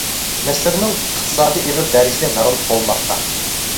مىسىرنىڭ ئىقتىسادى ئېغىر دەرىجىدە مەغلۇپ بولماقتا.